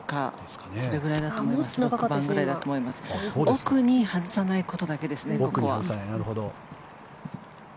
奥に外さないことだけですね。